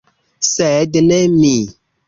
Sed ne mi.